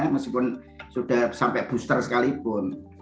meskipun sudah sampai booster sekalipun